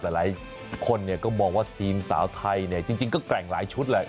หลายคนก็มองว่าทีมสาวไทยเนี่ยจริงก็แกร่งหลายชุดแหละ